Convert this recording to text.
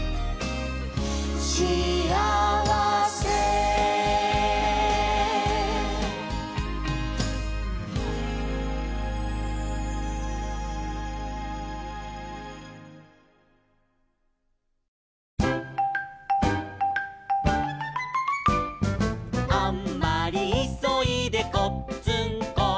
「シアワセ」「あんまりいそいでこっつんこ」